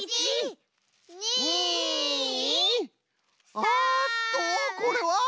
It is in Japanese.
ああっとこれは！？